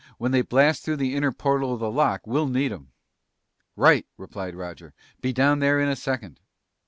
When they blast through the inner portal of the lock, we'll need 'em!" "Right!" replied Roger. "Be down there in a second."